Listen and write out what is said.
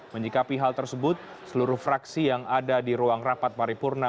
menyikapi hal tersebut seluruh fraksi yang ada di ruang rapat paripurna